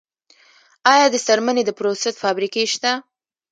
آیا د څرمنې د پروسس فابریکې شته؟